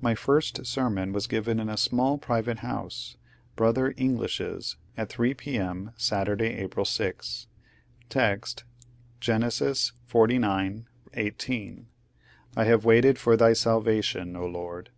My first sermon was given in a small private house, brother English's," at 8 p. m. Saturday, April 6. Text, Gen. xlix, 18, "I have waited for thy salvation, O Lord."